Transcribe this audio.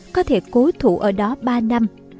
có thể cố thủ ở đó ba năm